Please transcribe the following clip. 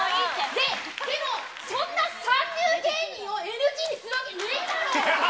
で、でも、そんな三流芸人をＮＧにするわけねえだろう。